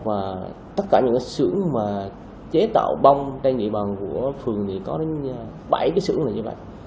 và tất cả những cái xưởng mà chế tạo bông trên địa bàn của phường thì có đến bảy cái xưởng này như vậy